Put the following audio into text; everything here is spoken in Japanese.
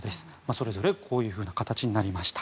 それぞれ、こういうふうな形になりました。